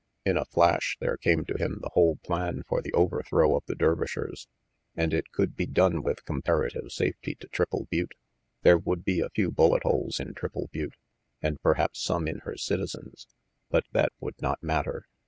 In a flash there came to him the whole plan for the overthrow of the Dervishers. And it could be done with comparative safety to Triple Butte. There would be a few bullet holes in Triple Butte, and perhaps some in her citizens, but that would not matter.